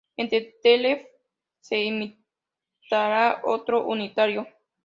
En Telefe se emitirá otro unitario.